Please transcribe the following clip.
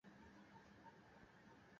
এরা হয় গোঁড়া, না হয় নাস্তিক।